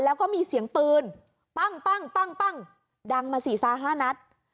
แล้วก็มีเสียงปืนปั้งปั้งปั้งปั้งดังมาสี่ซาห้านัด